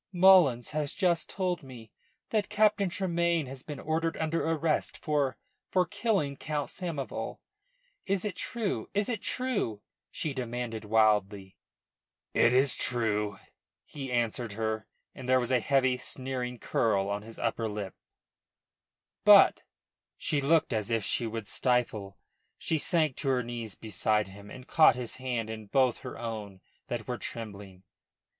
"Mullins has just told me that Captain Tremayne has been ordered under arrest for for killing Count Samoval. Is it true? Is it true?" she demanded wildly. "It is true," he answered her, and there was a heavy, sneering curl on his upper lip. "But " She stopped, and put a hand to her throat; she looked as if she would stifle. She sank to her knees beside him, and caught his hand in both her own that were trembling.